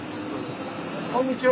こんにちは。